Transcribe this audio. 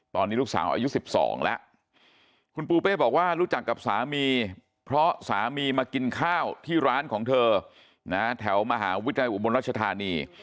ตอนนี้ลูกสาวอายุ๑๒แล้วคุณปูเป้บอกว่ารู้จักกับสามีเพราะสามีมากินข้าวที่ร้านของเธอนะแถวมหาวิทยาลัยอุบลรัชธานี